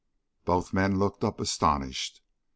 Both men looked up astonished.